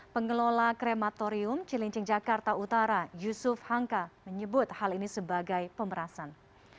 pengelola krematorium cilincing jakarta utara yusuf hamka menyebut hal ini sebagai pemerasan